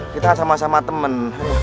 kita sama sama temen